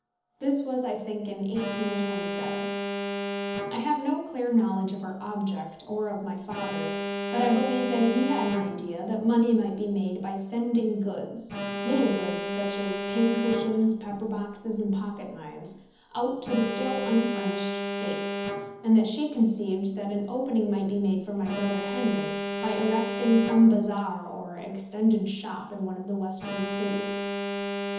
This was, I think, in 1827. I have no clear knowledge of her object, or of my father's; but I believe that he had an idea that money might be made by sending goods, little goods, such as pin cushions, pepper boxes, and pocket knives, out to the still unfurnished States; and that she conceived that an opening might be made for my brother Henry by erecting some bazaar or extended shop in one of the Western cities.